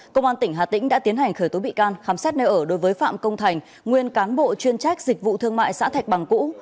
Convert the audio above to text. công an tỉnh hà tĩnh đã tiến hành khởi tố bị can khám xét nơi ở đối với phạm công thành nguyên cán bộ chuyên trách dịch vụ thương mại xã thạch bằng cũ